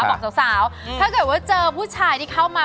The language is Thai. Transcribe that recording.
บอกสาวถ้าเกิดว่าเจอผู้ชายที่เข้ามา